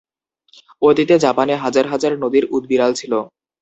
অতীতে জাপানে হাজার হাজার নদীর উদবিড়াল ছিল।